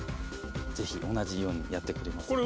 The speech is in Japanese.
ぜひ同じようにやってくれますか。